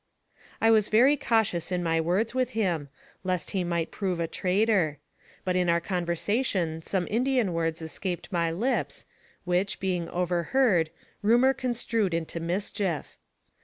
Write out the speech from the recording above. I was very cautious in my words with him, lest he might prove a traitor; but in our conversation some Indian words escaped my lips, which, being overheard, rumor construed into mischief.